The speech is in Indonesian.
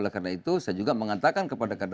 pertanyaan mana tadi